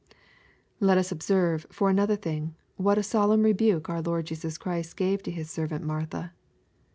Let us observe, for another thing, what a solemn rebxike our Lord Jesus Christ gave to His servant Martha.